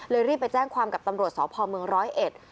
รีบไปแจ้งความกับตำรวจสพเมืองร้อยเอ็ด